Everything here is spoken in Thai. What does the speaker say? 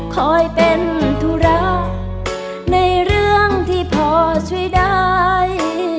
คอยเป็นธุระในเรื่องที่พอช่วยได้